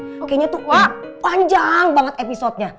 kayaknya tuh wah panjang banget episodenya